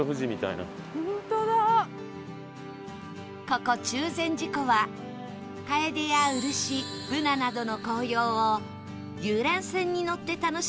ここ中禅寺湖はカエデやウルシブナなどの紅葉を遊覧船に乗って楽しめる